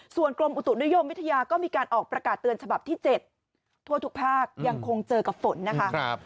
ส่วนกรมอุตุนิยมวิทยาก็มีการออกประกาศเตือนฉบับที่๗ทั่วทุกภาคยังคงเจอกับฝนนะคะ